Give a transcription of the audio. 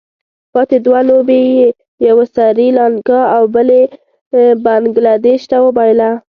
پاتې دوه لوبې یې یوه سري لانکا او بله بنګله دېش ته وبايلله.